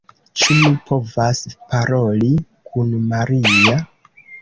Ĉu mi povas paroli kun Maria?